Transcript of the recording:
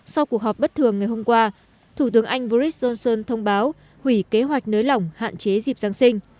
sau cuộc họp bất thường ngày hôm qua thủ tướng anh boris johnson thông báo hủy kế hoạch nới lỏng hạn chế dịp giáng sinh